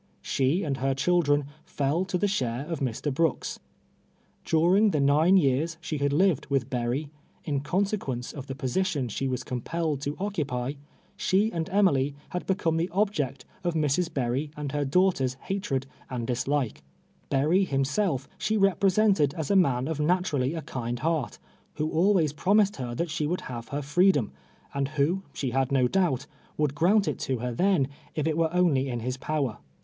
She and her children fell to the share of 'Mv. Erooks. During the nine years she had lived with Eerry, in consecpience of the posi tion she "\\as compelled to occupy, she and Emily had become the oliject of Mrs. J>eriT aiul her daughter's hatred and dislike. E^ii'i'v himself she re])resented as a man of naturally a kind heart, who always ]<romis ed her that she should have her freedom, and who, she had no doubt, would grant it to her then, if it were only in his power.